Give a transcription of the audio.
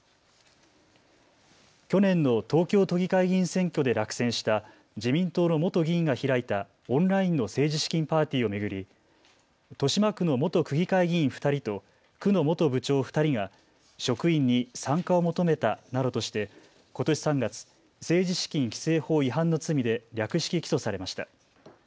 去年の東京都議会議員選挙で落選した自民党の元議員が開いたオンラインの政治資金パーティーを巡り豊島区の元区議会議員２人と区の本部長２人が職員に参加を求めたなどとして、ことし３月、政治資金規正法違反の罪で略式起訴されました。